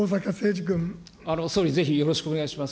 総理、ぜひよろしくお願いします。